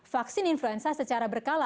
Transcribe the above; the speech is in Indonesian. vaksin influenza secara berkala